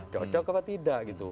cocok apa tidak gitu